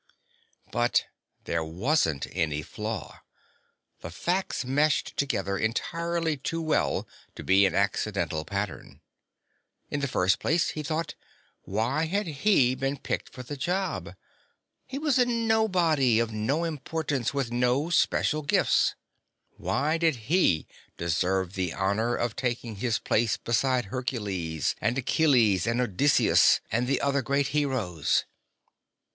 But there wasn't any flaw. The facts meshed together entirely too well to be an accidental pattern. In the first place, he thought, why had he been picked for the job? He was a nobody, of no importance, with no special gifts. Why did he deserve the honor of taking his place beside Hercules and Achilles and Odysseus and the other great heroes?